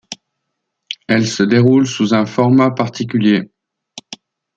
Elle se déroule sous un format particulier.